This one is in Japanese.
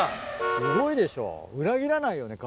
すごいでしょ裏切らないよね彼。